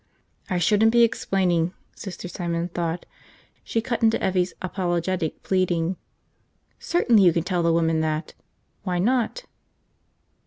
I shouldn't be explaining, Sister Simon thought. She cut into Evvie's apologetic pleading. "Certainly you can tell the woman that! Why not?"